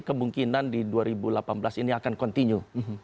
kemungkinan di dua ribu delapan belas ini akan continue